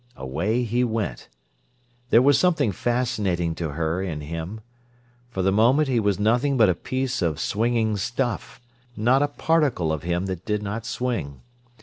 Away he went. There was something fascinating to her in him. For the moment he was nothing but a piece of swinging stuff; not a particle of him that did not swing.